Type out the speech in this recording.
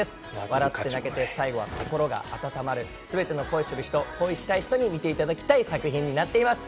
笑って泣いて最後は心が温まるすべての恋する人、恋したい人に見ていただきたい作品になっています。